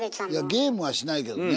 ゲームはしないけどね